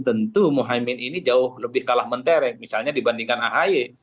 tentu mohaimin ini jauh lebih kalah mentereng misalnya dibandingkan ahy